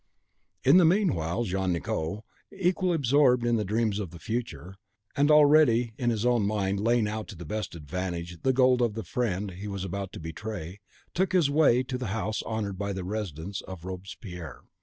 In the meanwhile Jean Nicot, equally absorbed in dreams of the future, and already in his own mind laying out to the best advantage the gold of the friend he was about to betray, took his way to the house honoured by the residence of Robespierre.